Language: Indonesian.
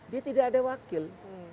dia tidak ada wakil